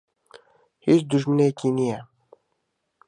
هیچ دوژمنێکی نییە.